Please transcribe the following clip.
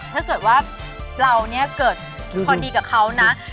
ถ้าเกิดว่าเราเนี่ยเกิดพอดีกับเขานะ